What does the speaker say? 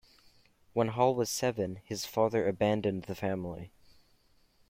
When Hall was seven, his father abandoned the family.